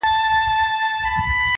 په ما پرېوتې ده څۀ بـــله بلا